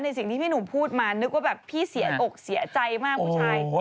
สิ่งที่พี่หนุ่มพูดมานึกว่าแบบพี่เสียอกเสียใจมากผู้ชาย